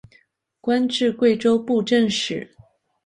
官至贵州布政使。